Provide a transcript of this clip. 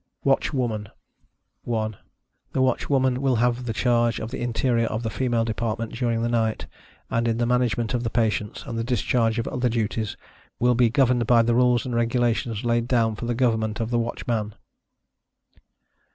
WATCHWOMAN. 1. The Watchwoman will have charge of the interior of the female department during the night, and in the management of the patients, and the discharge of other duties, will be governed by the rules and regulations laid down for the government of the Watchman.